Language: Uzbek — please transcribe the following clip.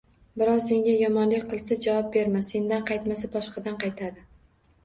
Birov senga yomonlik qilsa javob berma. Sendan qaytmasa, boshqadan qaytadi!